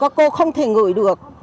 các cô không thể ngửi được